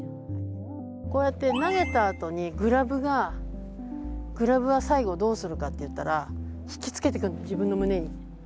こうやって投げたあとにグラブは最後どうするかっていったら引きつけてくるの自分の胸に。